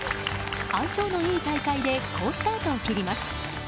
相性のいい大会で好スタートを切ります。